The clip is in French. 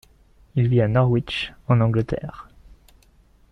Il vit à Norwich, en Angleterre.